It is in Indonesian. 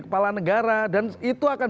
kepala negara dan itu akan